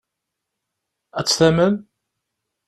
Ad tt-tamen?